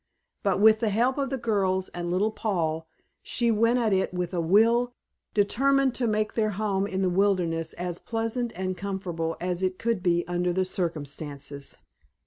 But with the help of the girls and little Paul, she went at it with a will, determined to make their home in the wilderness as pleasant and comfortable as it could be under the circumstances.